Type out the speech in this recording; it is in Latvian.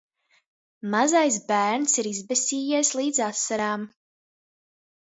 Mazais bērns ir izbesījies līdz asarām.